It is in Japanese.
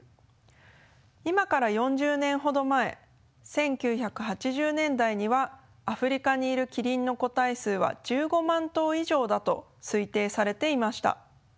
今から４０年ほど前１９８０年代にはアフリカにいるキリンの個体数は１５万頭以上だと推定されていました。